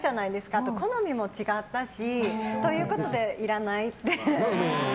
あと、好みも違ったし。ということで、いらないって。